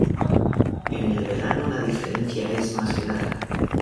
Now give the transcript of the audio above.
En el verano la diferencia es más clara.